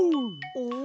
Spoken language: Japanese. お？